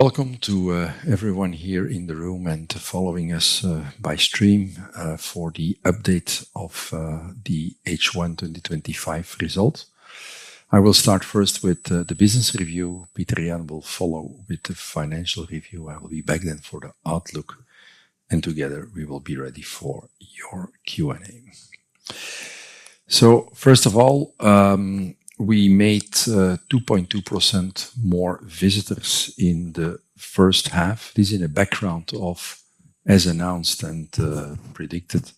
Welcome to everyone here in the room and following us by stream for the update of the H1 2025 results. I will start first with the business review. Pieter-Jan will follow with the financial review. I will be back then for the outlook, and together we will be ready for your Q&A. First of all, we made 2.2% more visitors in the first half. This is in the background of, as announced and predicted,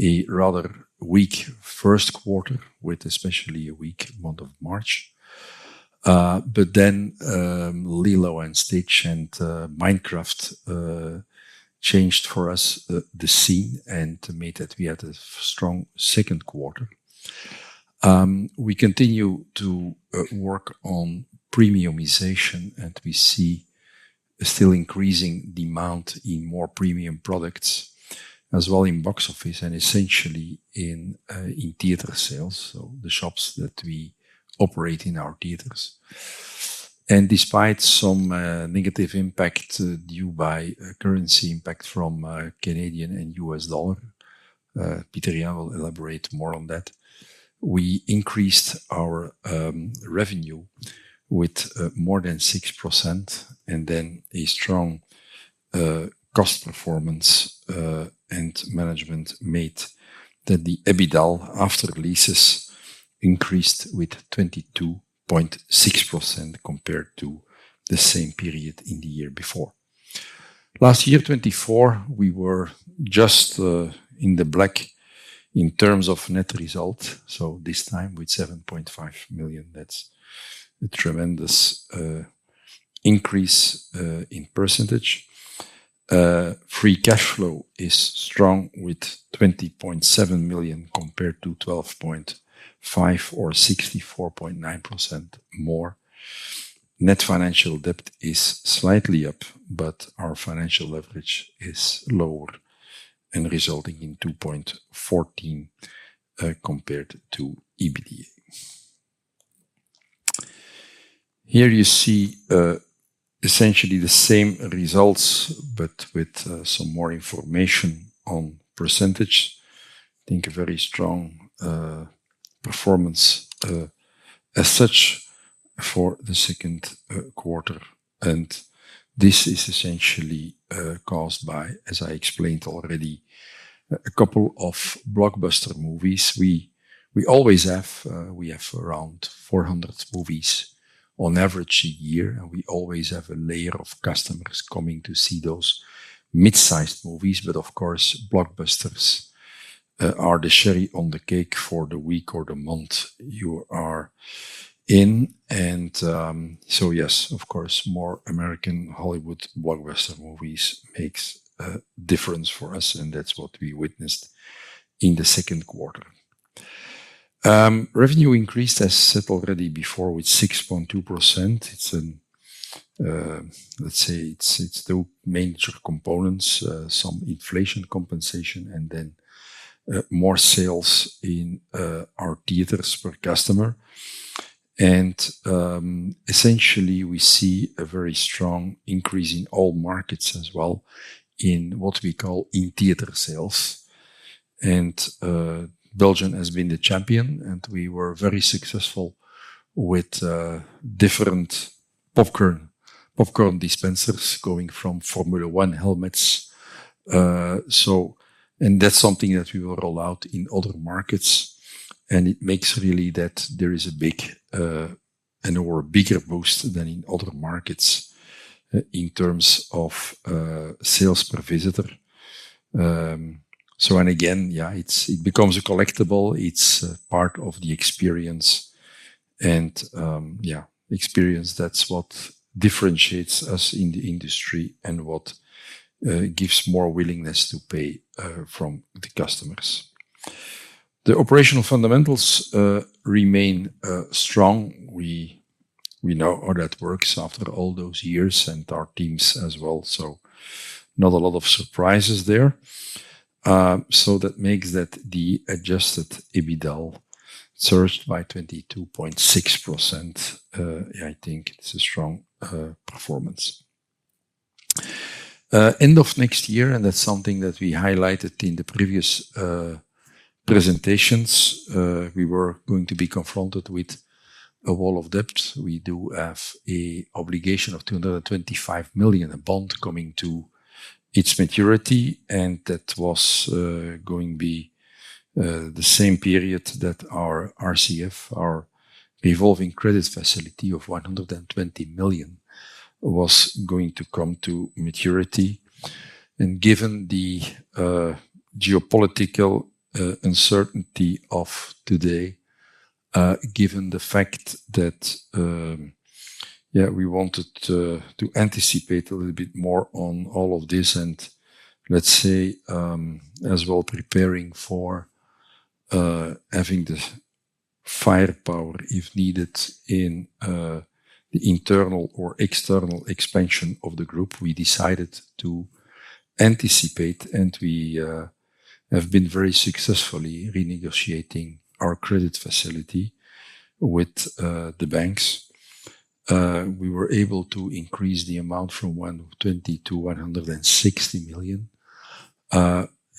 a rather weak first quarter, with especially a weak month of March. Lilo & Stitch and Minecraft changed for us the scene and made that we had a strong second quarter. We continue to work on premiumization, and we see still increasing demand in more premium products, as well in box office and essentially in theater sales, so the shops that we operate in our theaters. Despite some negative impact due to currency impacts from Canadian and U.S. dollars, Pieter-Jan will elaborate more on that. We increased our revenue with more than 6%, and a strong cost performance and management made that the EBITDA after releases increased with 22.6% compared to the same period in the year before. Last year, 2024, we were just in the black in terms of net results. This time with $7.5 million, that's a tremendous increase in percentage. Free cash flow is strong with $20.7 million compared to $12.5 million or 64.9% more. Net financial debt is slightly up, but our financial leverage is lower and resulting in 2.14 compared to EBITDA. Here you see essentially the same results, but with some more information on percentage. I think a very strong performance as such for the second quarter. This is essentially caused by, as I explained already, a couple of blockbuster movies. We always have, we have around 400 movies on average a year, and we always have a layer of customers coming to see those mid-sized movies. Of course, blockbusters are the cherry on the cake for the week or the month you are in. Yes, of course, more American Hollywood blockbuster movies make a difference for us, and that's what we witnessed in the second quarter. Revenue increased, as I said already before, with 6.2%. Let's say it's the main components, some inflation compensation, and then more sales in our theaters per customer. Essentially, we see a very strong increase in all markets as well in what we call in-theater sales. Belgium has been the champion, and we were very successful with different popcorn dispensers going from Formula One helmets. That's something that we will roll out in other markets. It makes that there is a big and/or bigger boost than in other markets in terms of sales per visitor. It becomes a collectible. It's part of the experience. Experience, that's what differentiates us in the industry and what gives more willingness to pay from the customers. The operational fundamentals remain strong. We know how that works after all those years and our teams as well. Not a lot of surprises there. That makes that the adjusted EBITDA surged by 22.6%. I think it's a strong performance. End of next year, that's something that we highlighted in the previous presentations. We were going to be confronted with a wall of debt. We do have an obligation of €225 million, a bond coming to its maturity. That was going to be the same period that our revolving credit facility of €120 million was going to come to maturity. Given the geopolitical uncertainty of today, given the fact that we wanted to anticipate a little bit more on all of this, and preparing for having the firepower if needed in the internal or external expansion of the group, we decided to anticipate, and we have been very successfully renegotiating our credit facility with the banks. We were able to increase the amount from €120 million-€160 million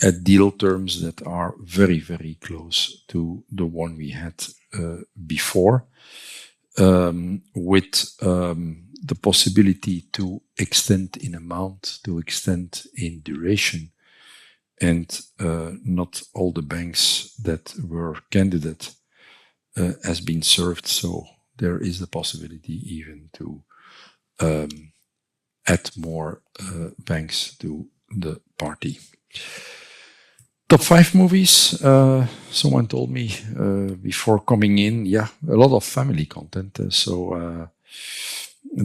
at deal terms that are very, very close to the one we had before, with the possibility to extend in amount, to extend in duration. Not all the banks that were candidates have been served. There is the possibility even to add more banks to the party. Top five movies, someone told me before coming in, a lot of family content.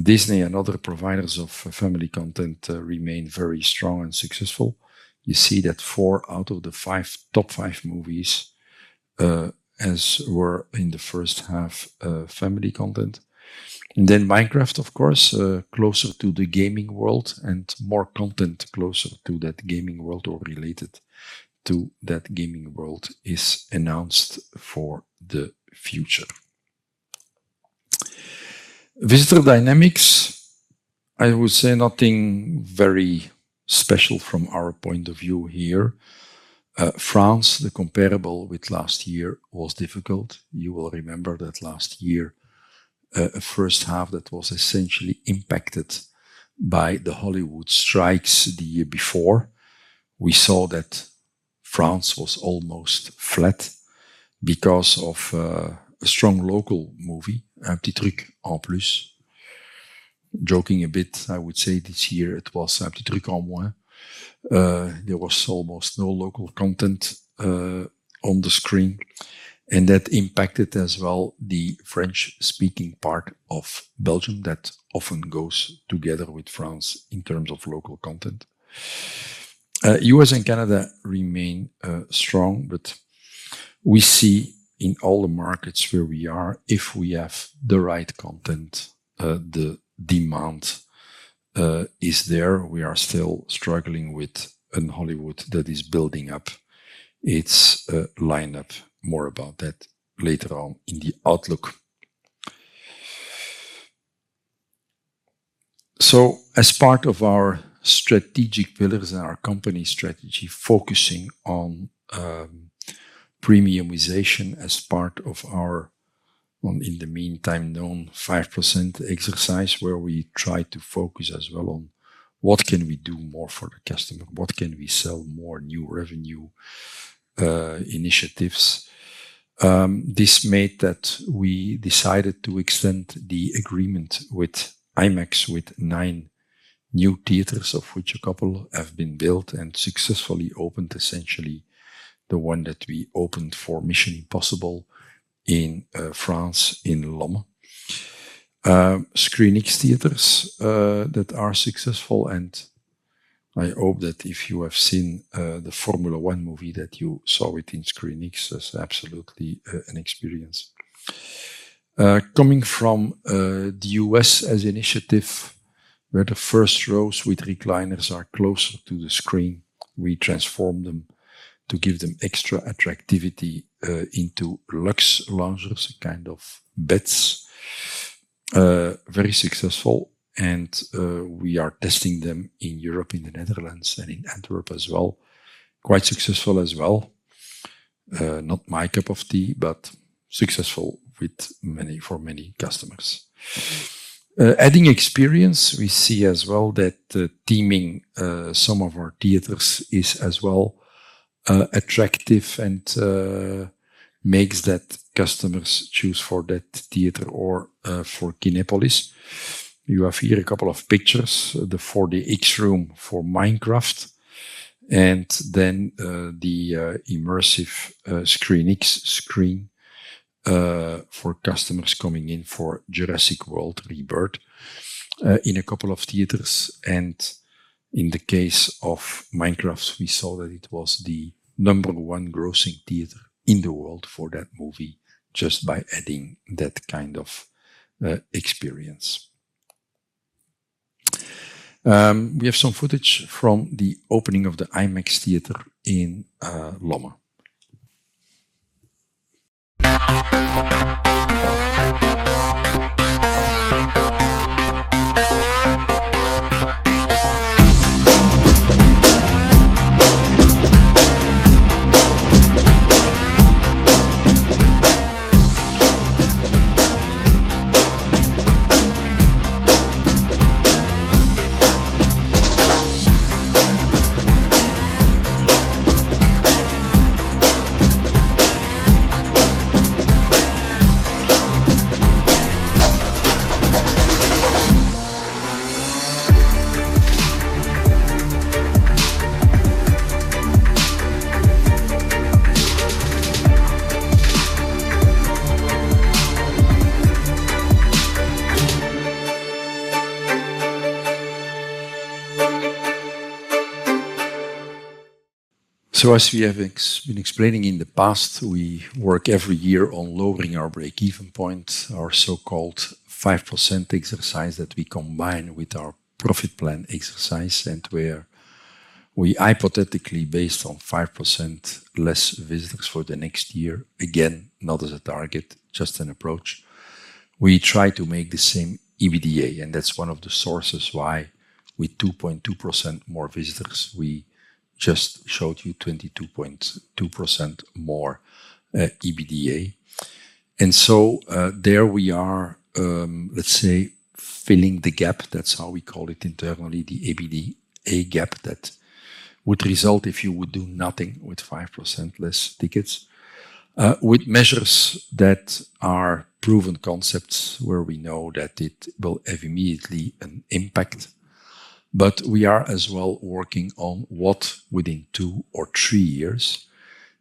Disney and other providers of family content remain very strong and successful. You see that four out of the five top five movies, as were in the first half, are family content. Minecraft, of course, closer to the gaming world, and more content closer to that gaming world or related to that gaming world is announced for the future. Visitor dynamics, I would say nothing very special from our point of view here. France, the comparable with last year, was difficult. You will remember that last year, a first half that was essentially impacted by the Hollywood strikes the year before. We saw that France was almost flat because of a strong local movie, Un P'tit Truc en Plus. Joking a bit, I would say this year it was Un P'tit Truc en Moins. There was almost no local content on the screen, and that impacted as well the French-speaking part of Belgium that often goes together with France in terms of local content. U.S. and Canada remain strong, but we see in all the markets where we are, if we have the right content, the demand is there. We are still struggling with Hollywood that is building up. It's a lineup, more about that later on in the outlook. As part of our strategic pillars and our company strategy, focusing on premiumization as part of our, in the meantime, known 5% exercise where we try to focus as well on what can we do more for the customer, what can we sell more, new revenue initiatives. This made that we decided to extend the agreement with IMAX with nine new theaters, of which a couple have been built and successfully opened, essentially the one that we opened for Mission Impossible in France in Lomme. ScreenX theaters that are successful, and I hope that if you have seen the Formula One movie that you saw within ScreenX, it was absolutely an experience. Coming from the U.S. as initiative where the first rows with recliners are closer to the screen, we transformed them to give them extra attractivity into luxe loungers, a kind of beds. Very successful. We are testing them in Europe, in the Netherlands, and in Antwerp as well. Quite successful as well. Not my cup of tea, but successful for many customers. Adding experience, we see as well that theming some of our theaters is as well attractive and makes that customers choose for that theater or for Kinepolis. You have here a couple of pictures for the X room for Minecraft and then the immersive ScreenX screen for customers coming in for Jurassic World Rebirth in a couple of theaters. In the case of Minecraft, we saw that it was the number one grossing theater in the world for that movie just by adding that kind of experience. We have some footage from the opening of the IMAX theater in Lomme. As we have been explaining in the past, we work every year on lowering our break-even point, our so-called 5% exercise that we combine with our profit plan exercise. Where we hypothetically, based on 5% less visitors for the next year, again, not as a target, just an approach, we try to make the same EBITDA. That's one of the sources why with 2.2% more visitors, we just showed you 22.2% more EBITDA. There we are, let's say, filling the gap. That's how we call it internally, the EBITDA gap that would result if you would do nothing with 5% less tickets, with measures that are proven concepts where we know that it will have immediately an impact. We are as well working on what within two or three years.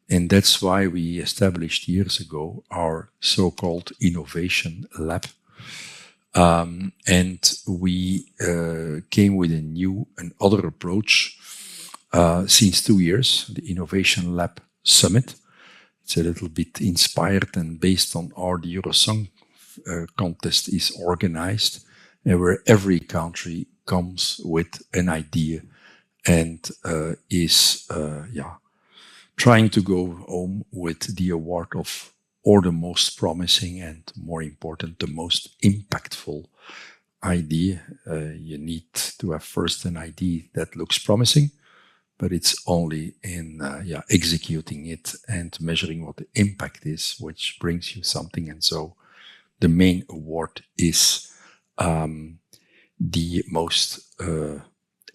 That's why we established years ago our so-called Innovation Lab. We came with a new and other approach since two years, the Innovation Lab Summit. It's a little bit inspired and based on how the Eurosong contest is organized, where every country comes with an idea and is trying to go home with the award of, or the most promising and more important, the most impactful idea. You need to have first an idea that looks promising, but it's only in executing it and measuring what the impact is, which brings you something. The main award is the most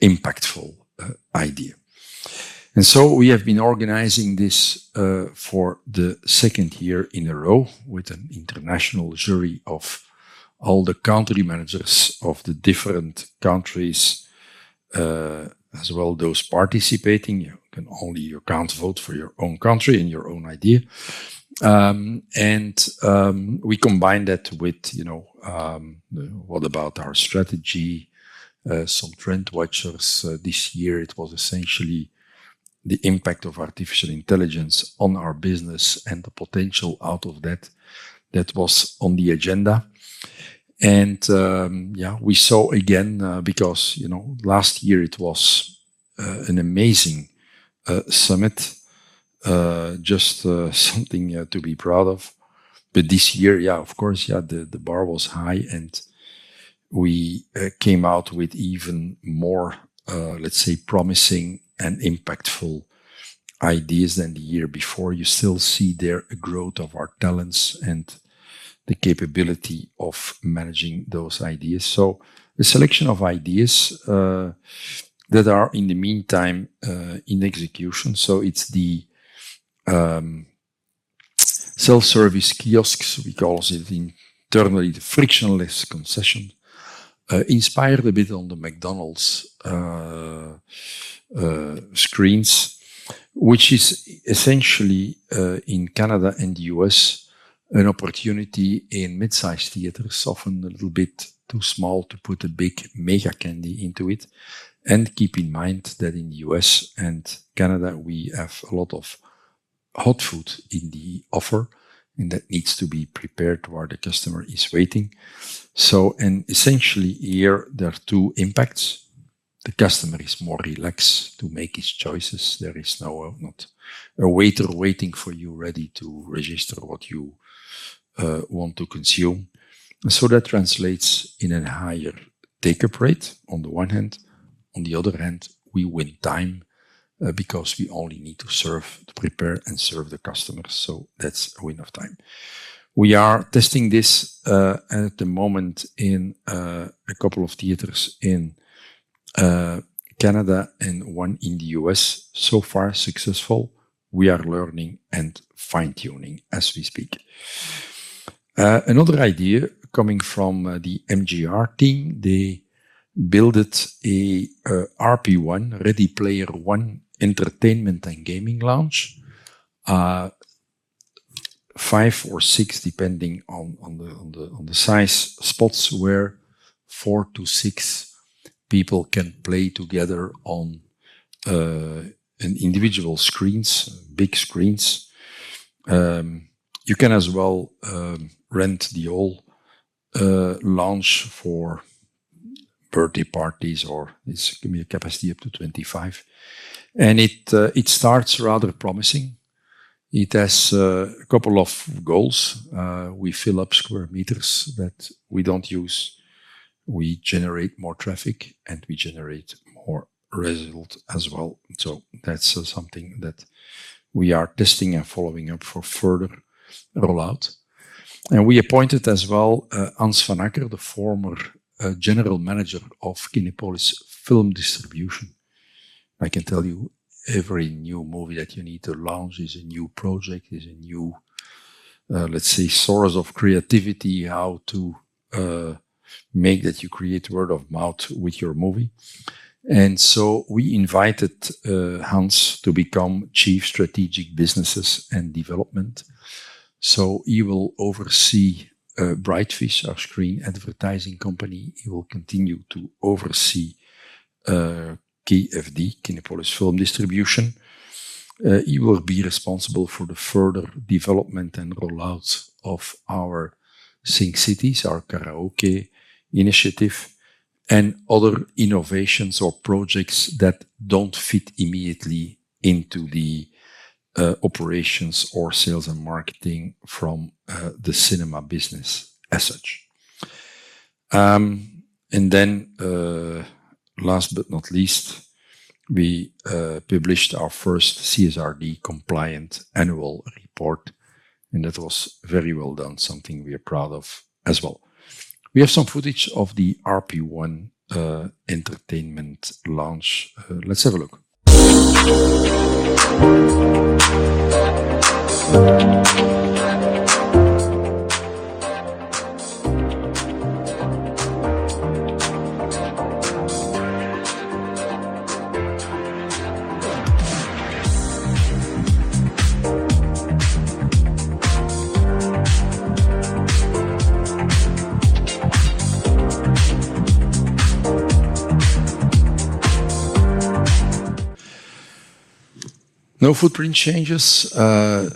impactful idea. We have been organizing this for the second year in a row with an international jury of all the country managers of the different countries, as well as those participating. You can only count vote for your own country and your own idea. We combine that with, you know, what about our strategy, some trend watchers. This year, it was essentially the impact of artificial intelligence on our business and the potential out of that that was on the agenda. We saw again because, you know, last year it was an amazing summit, just something to be proud of. This year, the bar was high and we came out with even more, let's say, promising and impactful ideas than the year before. You still see there a growth of our talents and the capability of managing those ideas. The selection of ideas that are in the meantime in execution. It's the self-service kiosks, we call it internally the frictionless concession, inspired a bit on the McDonald's screens, which is essentially in Canada and the U.S., an opportunity in mid-sized theaters, often a little bit too small to put a big mega candy into it. Keep in mind that in the U.S. and Canada, we have a lot of hot food in the offer, and that needs to be prepared while the customer is waiting. Essentially, here there are two impacts. The customer is more relaxed to make his choices. There is no waiter waiting for you ready to register what you want to consume. That translates in a higher take-up rate on the one hand. On the other hand, we win time because we only need to serve, prepare, and serve the customers. That's a win of time. We are testing this at the moment in a couple of theaters in Canada and one in the U.S. So far, successful. We are learning and fine-tuning as we speak. Another idea coming from the MJR team, they built a RP1, Ready Player One entertainment and gaming lounge, five or six depending on the size, spots where four to six people can play together on individual screens, big screens. You can as well rent the whole lounge for birthday parties or it can be a capacity up to 25. It starts rather promising. It has a couple of goals. We fill up square meters that we don't use. We generate more traffic and we generate more results as well. That's something that we are testing and following up for further rollout. We appointed as well Hans Van Acker, the former General Manager of Kinepolis Film Distribution. I can tell you every new movie that you need to launch is a new project, is a new, let's say, source of creativity, how to make that you create word of mouth with your movie. We invited Hans to become Chief Strategic Businesses and Development. He will oversee BrightFish, our screen advertising company. He will continue to oversee Kinepolis Film Distribution. He will be responsible for the further development and rollouts of our Sing Cities, our karaoke initiative, and other innovations or projects that don't fit immediately into the operations or sales and marketing from the cinema business as such. Last but not least, we published our first CSRD-compliant annual report, and that was very well done, something we are proud of as well. We have some footage of the RP1 entertainment lounge. Let's have a look. No footprint changes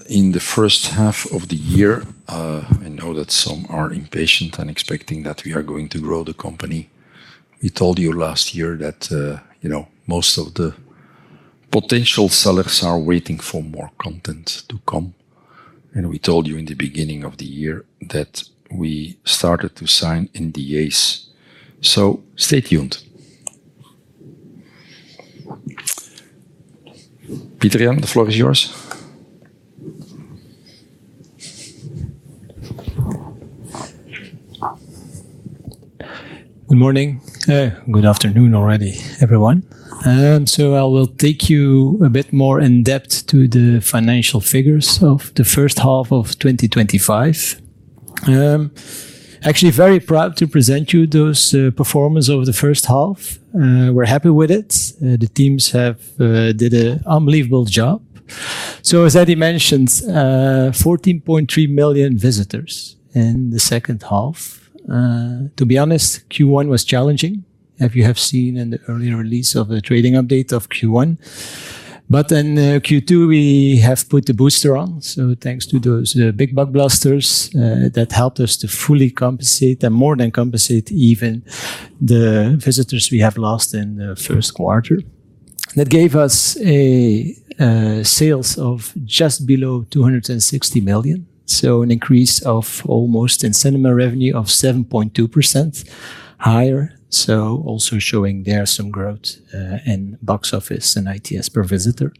in the first half of the year. I know that some are impatient and expecting that we are going to grow the company. We told you last year that most of the potential sellers are waiting for more content to come. We told you in the beginning of the year that we started to sign NDAs. Stay tuned. Pieter-Jan, the floor is yours. Good morning. Good afternoon already, everyone. I will take you a bit more in depth to the financial figures of the first half of 2025. Actually, very proud to present you those performances over the first half. We're happy with it. The teams did an unbelievable job. As Eddy mentioned, 14.3 million visitors in the second half. To be honest, Q1 was challenging, as you have seen in the earlier release of the trading update of Q1. In Q2, we have put the booster on. Thanks to those big blockbusters that helped us to fully compensate and more than compensate even the visitors we have lost in the first quarter. That gave us a sales of just below €260 million. An increase of almost in cinema revenue of 7.2% higher, also showing there some growth in box office and ITS per visitor.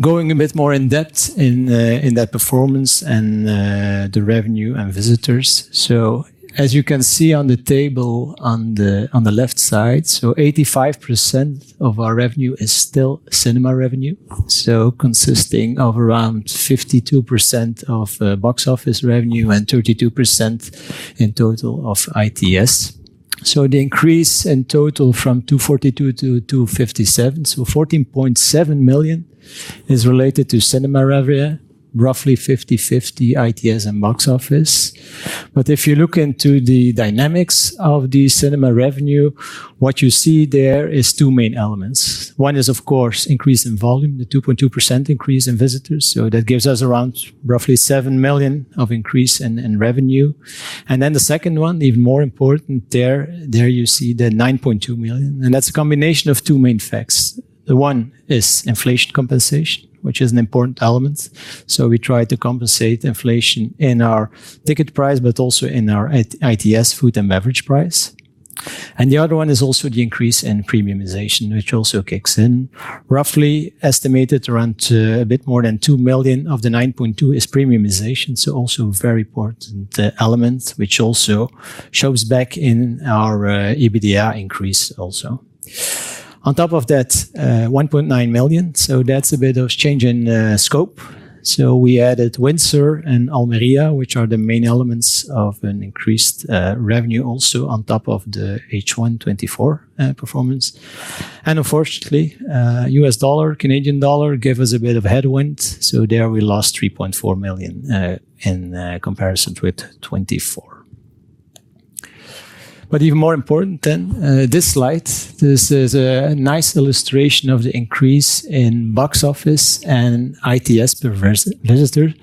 Going a bit more in depth in that performance and the revenue and visitors. As you can see on the table on the left side, 85% of our revenue is still cinema revenue, consisting of around 52% of box office revenue and 32% in total of ITS. The increase in total from €242 million to €257 million. €14.7 million is related to cinema revenue, roughly 50/50 ITS and box office. If you look into the dynamics of the cinema revenue, what you see there is two main elements. One is, of course, increase in volume, the 2.2% increase in visitors. That gives us around roughly €7 million of increase in revenue. The second one, even more important, there you see the €9.2 million. That's a combination of two main facts. One is inflation compensation, which is an important element. We try to compensate inflation in our ticket price, but also in our ITS food and beverage price. The other one is also the increase in premiumization, which also kicks in. Roughly estimated around a bit more than €2 million of the €9.2 million is premiumization. Also a very important element, which also shows back in our EBITDA increase also. On top of that, €1.9 million. That's a bit of a change in scope. We added Windsor and Almeria, which are the main elements of an increased revenue also on top of the H1 2024 performance. Unfortunately, U.S. dollar, Canadian dollar gave us a bit of headwind. There we lost €3.4 million in comparison with 2024. Even more important then, this slide, this is a nice illustration of the increase in box office and ITS per visitor.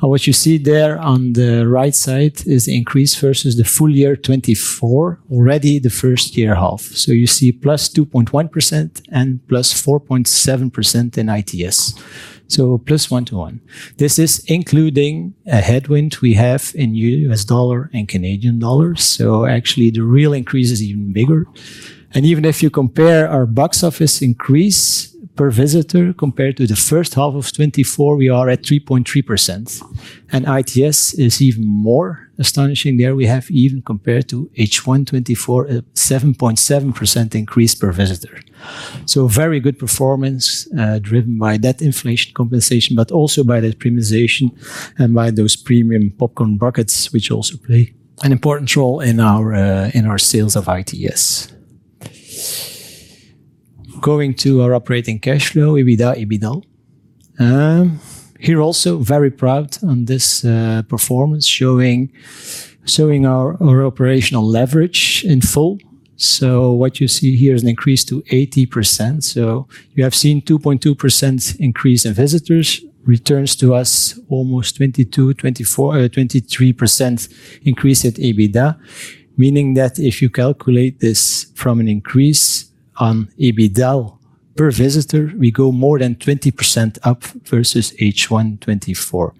What you see there on the right side is the increase versus the full year 2024, already the first year half. You see +2.1% and +4.7% in ITS. Plus one to one. This is including a headwind we have in U.S. dollar and Canadian dollars. Actually, the real increase is even bigger. Even if you compare our box office increase per visitor compared to the first half of 2024, we are at 3.3%. ITS is even more astonishing there. We have, even compared to H1 2024, a 7.7% increase per visitor. Very good performance driven by that inflation compensation, but also by the premiumization and by those premium popcorn buckets, which also play an important role in our sales of ITS. Going to our operating cash flow, EBITDA. Here also, very proud on this performance, showing our operational leverage in full. What you see here is an increase to 80%. You have seen 2.2% increase in visitors. Returns to us almost 22%, 24%, 23% increase at EBITDA, meaning that if you calculate this from an increase on EBITDA per visitor, we go more than 20% up versus H1 2024.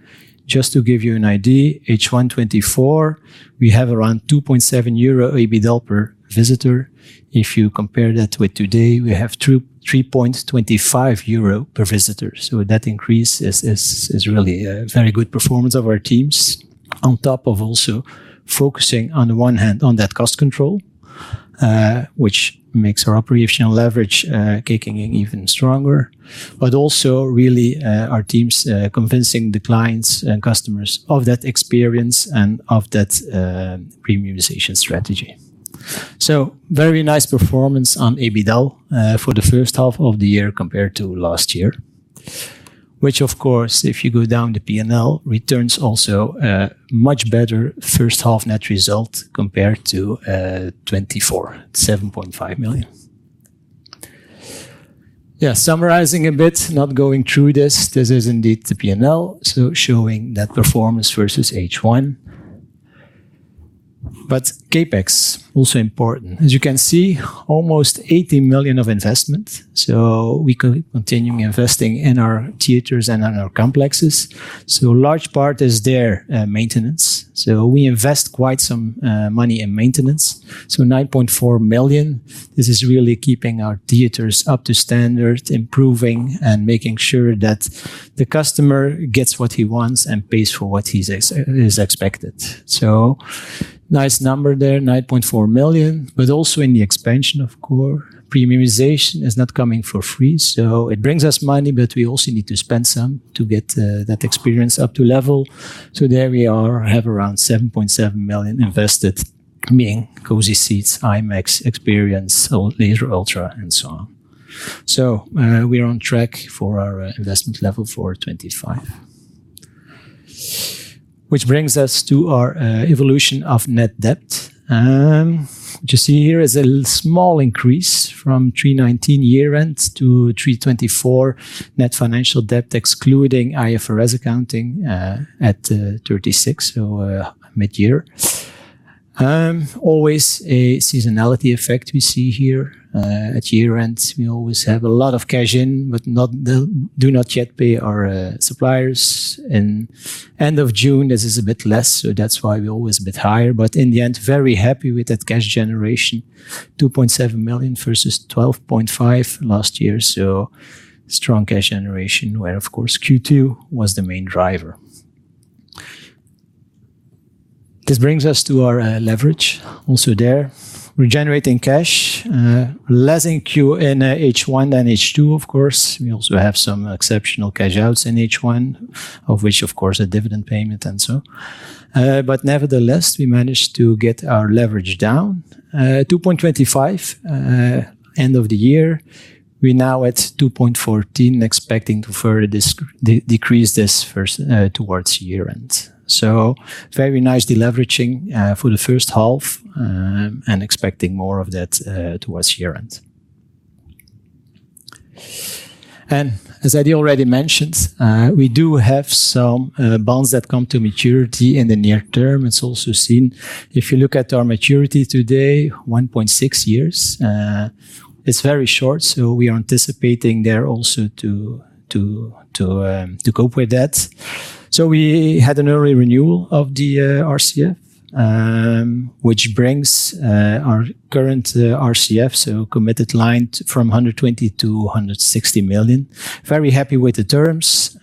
Just to give you an idea, H1 2024, we have around €2.7 EBITDA per visitor. If you compare that with today, we have €3.25 per visitor. That increase is really a very good performance of our teams. On top of also focusing on the one hand on that cost control, which makes our operational leverage kicking in even stronger, really our teams convincing the clients and customers of that experience and of that premiumization strategy. Very nice performance on EBITDA for the first half of the year compared to last year, which of course, if you go down the P&L, returns also a much better first half net result compared to 2024, €7.5 million. Summarizing a bit, not going through this. This is indeed the P&L, showing that performance versus H1. CapEx, also important. As you can see, almost €18 million of investment. We can continue investing in our theaters and in our complexes. A large part is their maintenance. We invest quite some money in maintenance, €9.4 million. This is really keeping our theaters up to standard, improving, and making sure that the customer gets what he wants and pays for what he is expected. Nice number there, €9.4 million. Also in the expansion, premiumization is not coming for free. It brings us money, but we also need to spend some to get that experience up to level. There we have around €7.7 million invested, meaning cozy seats, IMAX experience, laser ultra, and so on. We are on track for our investment level for 2025. Which brings us to our evolution of net debt. There is a small increase from $319 million year end to $324 million net financial debt, excluding IFRS accounting at $36 million. So mid-year, there is always a seasonality effect we see here at year end. We always have a lot of cash in, but do not yet pay our suppliers. At the end of June, this is a bit less. That's why we're always a bit higher. In the end, very happy with that cash generation, $2.7 million versus $12.5 million last year. Strong cash generation where, of course, Q2 was the main driver. This brings us to our leverage. Also there, we're generating cash less in H1 than H2, of course. We also have some exceptional cash outs in H1, of which, of course, are dividend payments and so on. Nevertheless, we managed to get our leverage down. 2.25 end of the year. We're now at 2.14, expecting to further decrease this first towards year end. Very nicely leveraging for the first half and expecting more of that towards year end. As Eddy already mentioned, we do have some bonds that come to maturity in the near term. It's also seen, if you look at our maturity today, 1.6 years. It's very short. We are anticipating there also to cope with that. We had an early renewal of the revolving credit facility, which brings our current revolving credit facility, so committed line, from $120 million- $160 million. Very happy with the terms.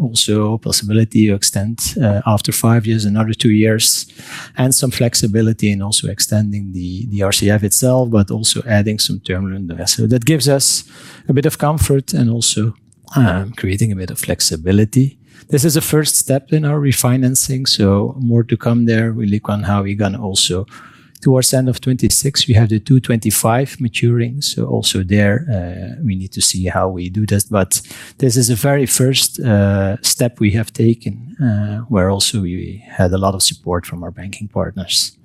Also a possibility to extend after five years, another two years, and some flexibility in also extending the revolving credit facility itself, but also adding some terms in the rest. That gives us a bit of comfort and also creates a bit of flexibility. This is a first step in our refinancing. More to come there. We look on how we're going to also towards the end of 2026. We have the $225 million maturing. Also there, we need to see how we do this. This is the very first step we have taken where we also had a lot of support from our banking partners.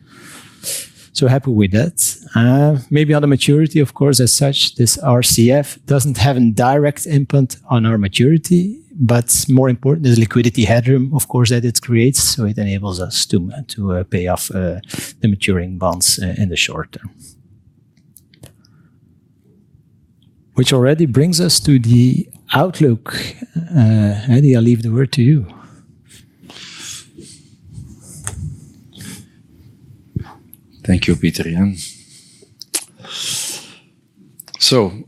Happy with that. Maybe on the maturity, of course, as such, this revolving credit facility doesn't have a direct impact on our maturity, but more importantly, the liquidity headroom that it creates. It enables us to pay off the maturing bonds in the short term. Which already brings us to the outlook. Eddy, I'll leave the word to you. Thank you, Pieter-Jan.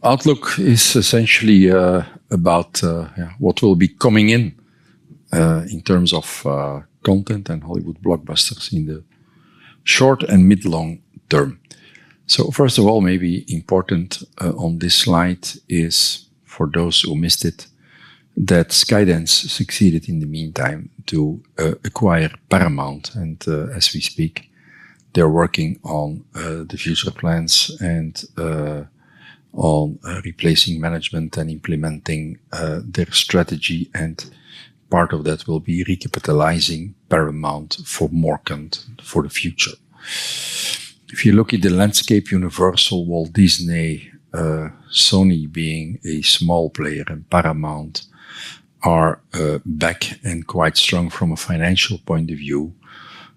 Outlook is essentially about what will be coming in in terms of content and Hollywood blockbusters in the short and mid-long term. First of all, maybe important on this slide is for those who missed it, that Skydance succeeded in the meantime to acquire Paramount. As we speak, they're working on the future plans and on replacing management and implementing their strategy. Part of that will be recapitalizing Paramount for more for the future. If you look at the landscape, Universal, Walt Disney, Sony being a small player, and Paramount are back and quite strong from a financial point of view.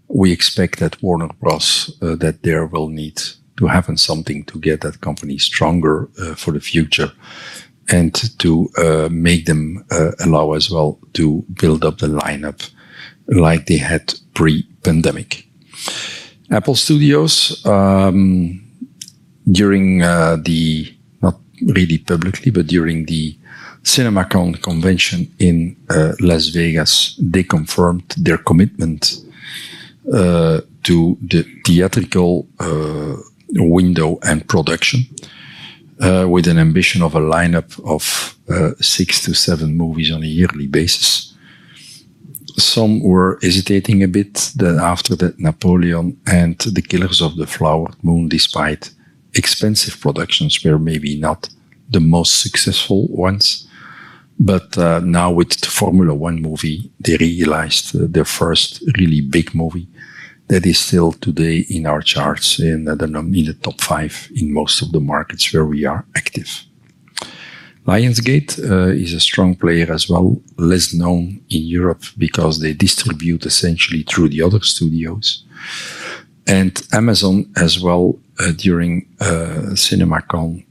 We expect that Warner Bros. will need to happen something to get that company stronger for the future and to make them allow as well to build up the lineup like they had pre-pandemic. Apple Studios, not really publicly, but during the Cinema Convention in Las Vegas, confirmed their commitment to the theatrical window and production with an ambition of a lineup of 6 movies- 7 movies on a yearly basis. Some were hesitating a bit after that Napoleon and Killers of the Flower Moon, despite extensive productions, were maybe not the most successful ones. Now with the Formula One movie, they realized their first really big movie that is still today in our charts and in the top five in most of the markets where we are active. Lionsgate is a strong player as well, less known in Europe because they distribute essentially through the other studios. Amazon as well during CinemaCon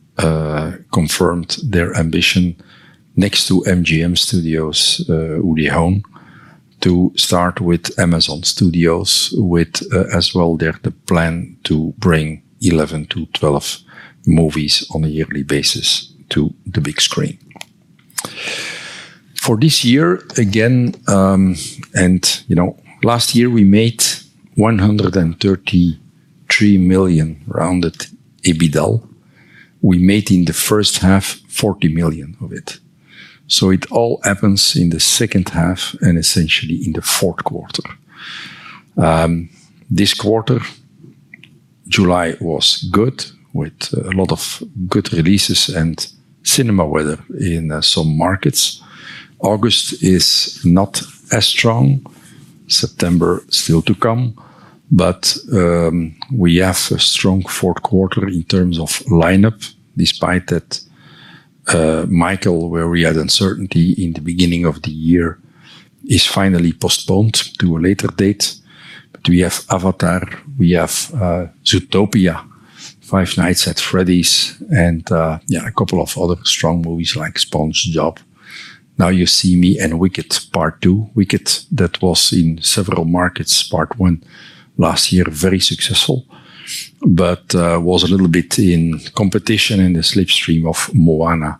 confirmed their ambition next to MGM Studios, Uli Home, to start with Amazon Studios as well. Their plan is to bring 11 movies-12 movies on a yearly basis to the big screen. For this year, again, and you know, last year we made €133 million rounded adjusted EBITDA. We made in the first half €40 million of it. It all happens in the second half and essentially in the fourth quarter. This quarter, July was good with a lot of good releases and cinema weather in some markets. August is not as strong. September is still to come. We have a strong fourth quarter in terms of lineup despite that Michael, where we had uncertainty in the beginning of the year, is finally postponed to a later date. We have Avatar, we have Zootopia, Five Nights at Freddy's, and a couple of other strong movies like SpongeBob, Now You See Me, and Wicked, part two. Wicked, that was in several markets, part one last year, very successful, but was a little bit in competition in the slipstream of Moana.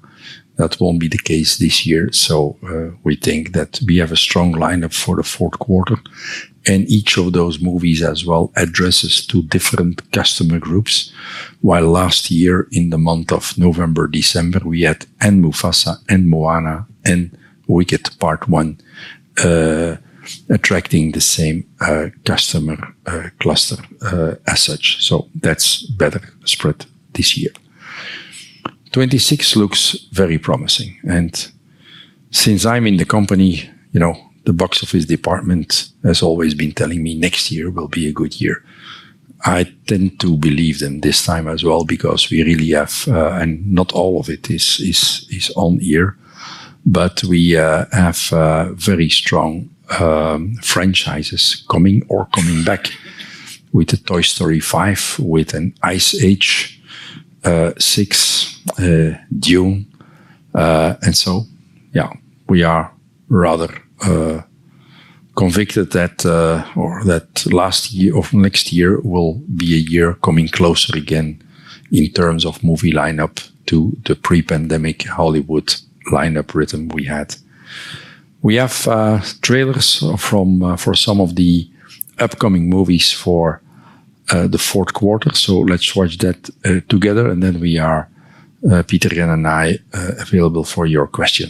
That won't be the case this year. We think that we have a strong lineup for the fourth quarter, and each of those movies as well addresses to different customer groups. While last year, in the month of November, December, we had Mufasa and Moana and Wicked, part one, attracting the same customer cluster as such, that's better spread this year. 2026 looks very promising. Since I'm in the company, you know, the box office department has always been telling me next year will be a good year. I tend to believe them this time as well because we really have, and not all of it is on air, but we have very strong franchises coming or coming back with a Toy Story 5, with an Ice Age 6, Dune. We are rather convicted that last year or next year will be a year coming closer again in terms of movie lineup to the pre-pandemic Hollywood lineup we had. We have trailers for some of the upcoming movies for the fourth quarter. Let's watch that together, and then we are, Pieter-Jan and I, available for your questions.